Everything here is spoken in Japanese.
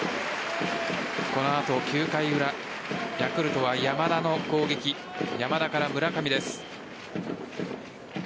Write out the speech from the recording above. この後、９回裏ヤクルトは山田からの攻撃山田から村上です。